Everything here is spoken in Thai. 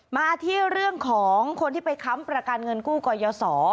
มาที่เรื่องของคนที่ไปค้ำประกันเงินกู้ก่อยสอ